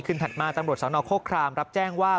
ขึ้นถัดมาตำรวจสาวนอคโฆฆรามรับแจ้งว่า